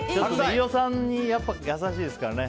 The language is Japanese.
飯尾さんに優しいですからね。